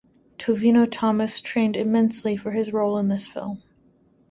Tovino Thomas trained immensely for his role in this film.